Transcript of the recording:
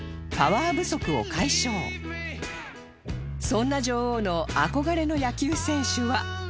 そんな女王の憧れの野球選手は